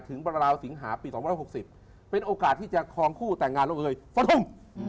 ราวสิงหาปี๒๐๖๐เป็นโอกาสที่จะครองคู่แต่งงานลงเอยฟะทุ่ม